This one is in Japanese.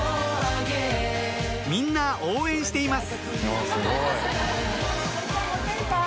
みんな応援しています